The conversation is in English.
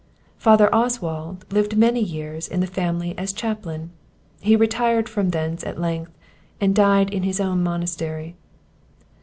Father Oswald lived many years in the family as chaplain; he retired from thence at length, and died in his own monastery.